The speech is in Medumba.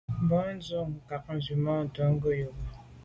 Mbwôg ndù kà nzwimàntô ghom yube.